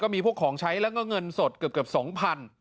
ก็มีพวกของใช้แล้วก็เงินสดเกือบเกือบสองพัน